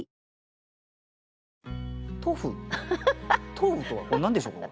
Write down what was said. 「とふ」とはこれ何でしょうか？